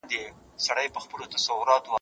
پسرلی راغی او ونه بېرته له میوو ډکه شوه.